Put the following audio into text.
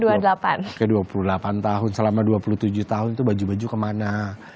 ke dua puluh delapan tahun selama dua puluh tujuh tahun itu baju baju kemana